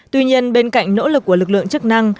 tuy nhiên bên cạnh nỗ lực của lực lượng chức năng